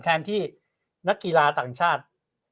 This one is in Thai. แทนที่นักกีฬาต่างชาติ